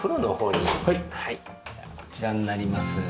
ではこちらになります。